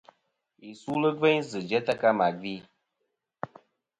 Yi sulɨ gveyn zɨ̀ jæ tɨ ka mà gvi.